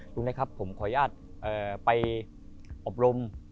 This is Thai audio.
เล็กครับผมขออนุญาตไปอบรม